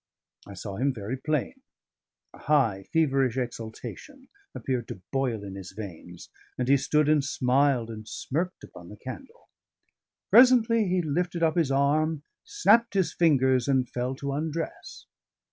I saw him very plain; a high, feverish exultation appeared to boil in his veins, and he stood and smiled and smirked upon the candle. Presently he lifted up his arm, snapped his fingers, and fell to undress.